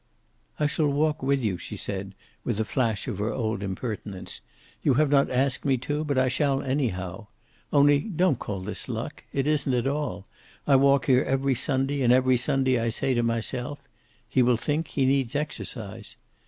"I shall walk with you," she said, with a flash of her old impertinence. "You have not asked me to, but I shall, anyhow. Only don't call this luck. It isn't at all. I walk here every Sunday, and every Sunday I say to myself he will think he needs exercise.